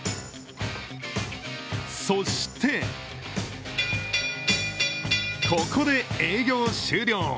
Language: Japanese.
そして、ここで営業終了！